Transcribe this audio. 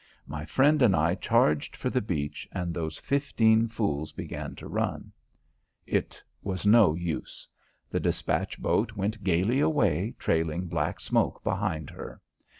My friend and I charged for the beach and those fifteen fools began to run. It was no use. The despatch boat went gaily away trailing black smoke behind her.